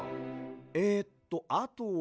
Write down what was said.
えっとあとは。